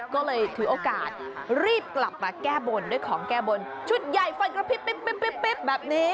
ก็เลยถือโอกาสรีบกลับมาแก้บนด้วยของแก้บนชุดใหญ่ไฟกระพริบแบบนี้